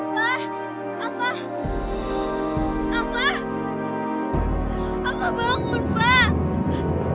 fah tunggu sebentar dong fah aku mau ngomong